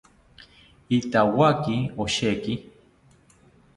Ithawaki osheki